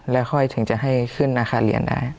แล้วค่อยถึงจะให้ขึ้นราคาเรียนได้